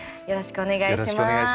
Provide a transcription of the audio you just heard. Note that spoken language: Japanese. よろしくお願いします。